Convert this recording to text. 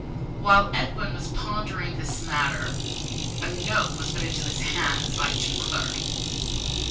While Edwin was pondering this matter, a note was put into his hands by a junior clerk.